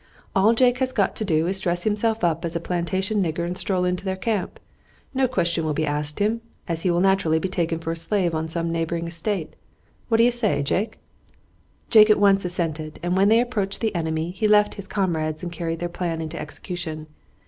All Jake has got to do is to dress himself as a plantation nigger and stroll into their camp. No question will be asked him, as he will naturally be taken for a slave on some neighboring estate. What do you say, Jake?" Jake at once assented, and when they approached the enemy he left his comrades and carried their plan into execution.